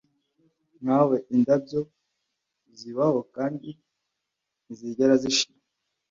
nkawe, indabyo zibaho kandi ntizigera zishira